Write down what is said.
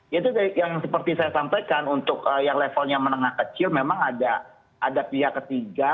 ya itu yang seperti saya sampaikan untuk yang levelnya menengah kecil memang ada pihak ketiga